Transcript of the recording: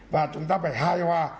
và chúng ta phải hài hòa